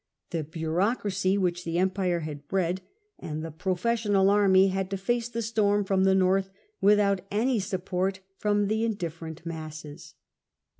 The bureaucracy, which the empire had bred, and the professional army, had to face the storm from the North without any support from the indifferent masses.